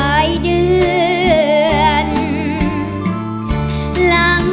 อ่า